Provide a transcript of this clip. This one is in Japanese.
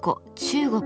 中国